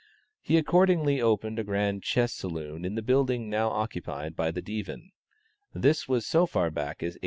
He accordingly opened a grand chess saloon in the building now occupied by the Divan. This was so far back as 1828.